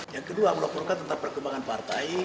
yang kedua melaporkan tentang perkembangan partai